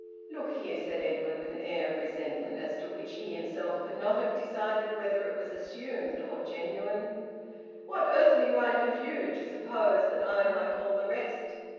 "Look here," said Edwin, with an air of resentment as to which he himself could not have decided whether it was assumed or genuine, "what earthly right have you to suppose that I'm like all the rest?"